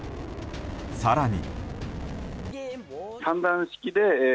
更に。